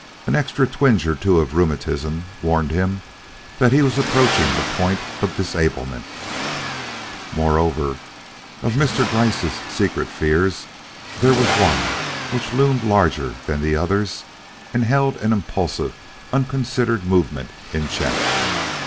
An extra twinge or two of rheumatism warned him that he was approaching the point of disablement. Moreover, of Mr. Gryce's secret fears there was one which loomed larger than the others and held an impulsive, unconsidered movement in check.